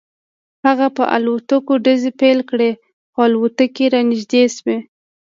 هغه په الوتکو ډزې پیل کړې خو الوتکې رانږدې شوې